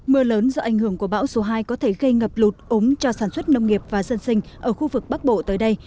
mưa lớn do ảnh hưởng của bão số hai có thể gây ngập lụt ống cho sản xuất nông nghiệp và dân sinh ở khu vực bắc bộ tới đây